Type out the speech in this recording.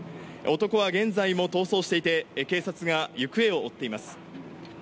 男は現在も逃走していて警察が行方を追っています。